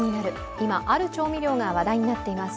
今、ある調味料が話題になっています。